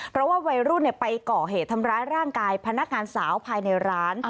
เพราะว่าวัยรุ่นไปก่อเหตุทำร้ายร่างกายพนักงานสาวภายในร้าน